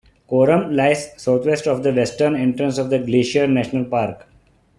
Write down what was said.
Coram lies southwest of the western entrance of Glacier National Park.